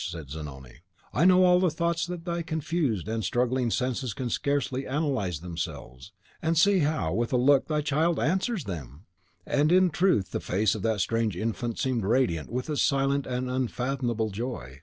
said Zanoni; "I know all the thoughts that thy confused and struggling senses can scarcely analyse themselves. And see how, with a look, thy child answers them!" And in truth the face of that strange infant seemed radiant with its silent and unfathomable joy.